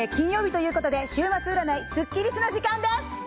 金曜日ということで週末占いスッキりすの時間です。